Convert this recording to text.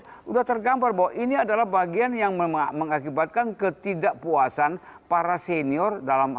sudah tergambar bahwa ini adalah bagian yang mengakibatkan ketidakpuasan para senior dalam